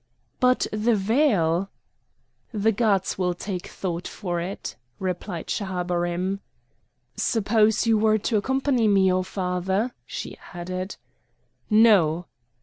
"But the veil?" "The gods will take thought for it," replied Schahabarim. "Suppose you were to accompany me, O father?" she added. "No!"